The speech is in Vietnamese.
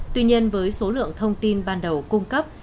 tuy nhiên với số lượng thông tin ban đầu cung cấp